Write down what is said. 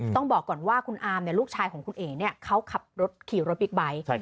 ต้องบอกก่อนว่าคุณอามลูกชายของคุณเอ๋เขาขับรถขี่รถบิ๊กไบท์